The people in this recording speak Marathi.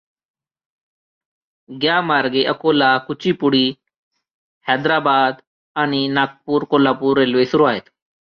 ग्यामार्गे अकोला कुचीपूडी हॅद्राबाद आणि नागपूर् कोल्हापूर रेल्वे सुरु आहेत.